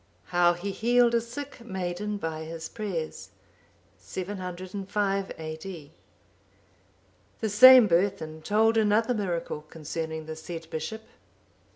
How he healed a sick maiden by his prayers. [705 A.D.] The same Berthun told another miracle concerning the said bishop.